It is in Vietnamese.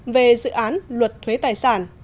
về dự án luật thuế tài sản